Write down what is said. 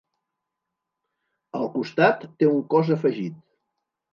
Al costat té un cos afegit.